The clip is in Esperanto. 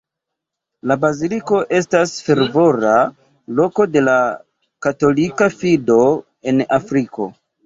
La baziliko estas fervora loko de la katolika fido en Afriko.